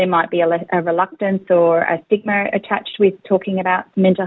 mungkin ada kekurangan atau stigma yang terkait dengan kesehatan mental